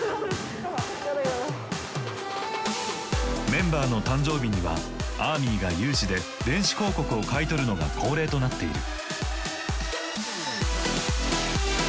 メンバーの誕生日にはアーミーが有志で電子広告を買い取るのが恒例となっている。